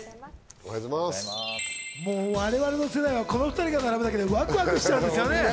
我々の世代はこの２人が並ぶだけでワクワクしちゃうんですよね。